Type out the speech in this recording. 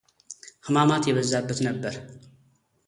ሕማማት የበዛበት ነበር።